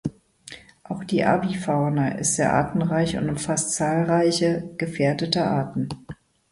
Auch die Avifauna ist sehr artenreich und umfasst zahlreiche gefährdete Arten.